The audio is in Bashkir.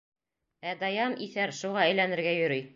Ә Даян, иҫәр, шуға әйләнергә йөрөй!